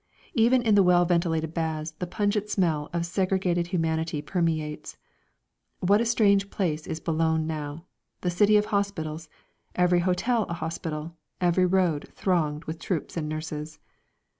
Even in the well ventilated baths the pungent smell of segregated humanity permeates. What a strange place is Boulogne now, the city of hospitals, every hotel a hospital, every road thronged with troops and nurses!